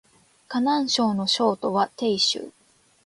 河南省の省都は鄭州